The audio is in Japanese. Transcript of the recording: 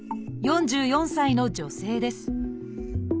４４歳の女性です。